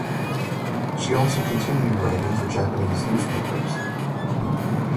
She also continued writing for Japanese newspapers.